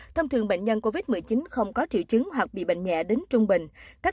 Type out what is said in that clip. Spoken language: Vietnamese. thông thường bệnh nhân covid một mươi chín không có triệu chứng hoặc bị bệnh nhẹ đến trung bình